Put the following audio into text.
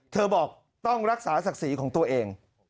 บอกต้องรักษาศักดิ์ศรีของตัวเอง